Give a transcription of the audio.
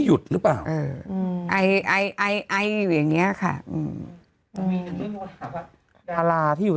หยุดหรือเปล่าเอออืมไอไอไอไออยู่อย่างเงี้ยค่ะอืมดาราที่อยู่